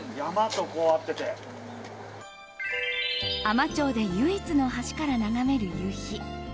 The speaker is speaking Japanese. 海士町で唯一の橋から眺める夕日。